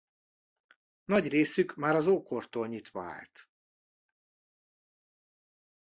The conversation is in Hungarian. Nagy részük már az ókortól nyitva állt.